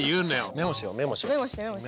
メモしてメモして。